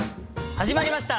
始まりました！